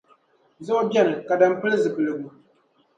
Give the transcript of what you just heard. Zuɣu ni beni ka dini pili zuɣupiligu?